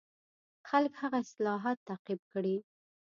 خلک هغه اصلاحات تعقیب کړي.